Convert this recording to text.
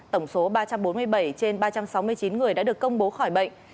tổng số ba trăm bốn mươi bảy trên ba trăm sáu mươi chín người đã được công bố khỏi bệnh